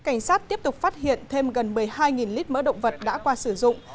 cảnh sát tiếp tục phát hiện thêm gần một mươi hai lít mỡ động vật đã qua sử dụng